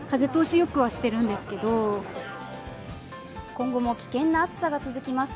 今後も危険な暑さが続きます。